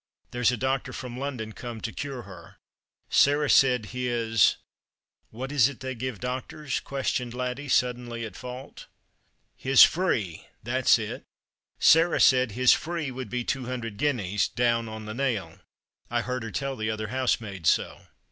There's a doctor from London come to cure her. Sarah The Christmas Hirelings. 225 said his — What is it they give doctors ?" questioned Laddie, suddenly at fault. " His free— that's it ! Sarah said his free would be two hundred guineas — down on the nail. I heard her tell the other housemaid so."